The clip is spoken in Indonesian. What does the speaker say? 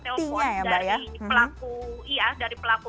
telepon dari pelaku